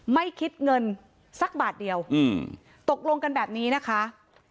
ไม่คิดเงินสักบาทเดียวอืมตกลงกันแบบนี้นะคะ